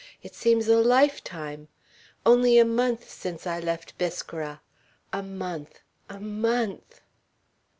It seems a lifetime. Only a month since I left Biskra. A month! A month!"